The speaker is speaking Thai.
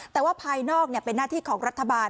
แต่ว่าภายนอกเป็นหน้าที่ของรัฐบาล